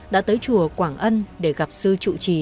đã tới chùa quảng ân để gặp sư trụ trì